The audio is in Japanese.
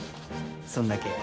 そんだけや。